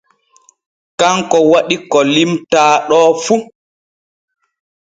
Kanko waɗi ko limtaa ɗo fu.